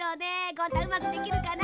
ゴン太うまくできるかな？